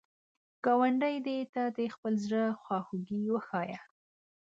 ګاونډي ته د خپل زړه خواخوږي وښایه